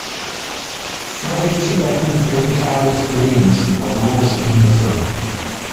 Three Tibetan incarnate lamas have roles in the film.